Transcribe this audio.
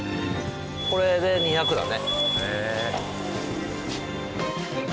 これで２００だね。